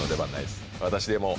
私でもう。